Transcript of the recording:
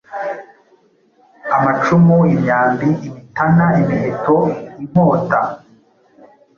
amacumu, imyambi, imitana, imiheto, inkota,